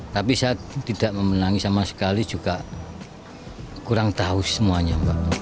tapi saya tidak memenangi sama sekali juga kurang tahu semuanya